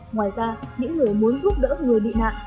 ngoài ra những người muốn giúp đỡ người bị nạn